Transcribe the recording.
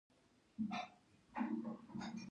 افغانستان کې د بادام لپاره دپرمختیا پروګرامونه شته.